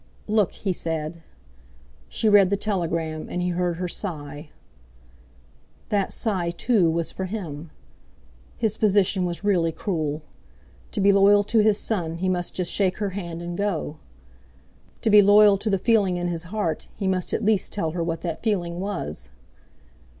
"Look!" he said. She read the telegram, and he heard her sigh. That sigh, too, was for him! His position was really cruel! To be loyal to his son he must just shake her hand and go. To be loyal to the feeling in his heart he must at least tell her what that feeling was.